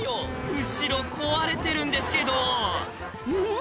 後ろ壊れてるんですけどんっ？